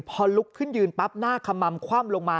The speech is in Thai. พอลุกขึ้นยืนปั๊บหน้าขม่ำคว่ำลงมา